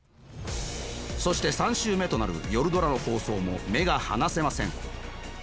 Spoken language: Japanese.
そして３週目となる「夜ドラ」の放送も目が離せません。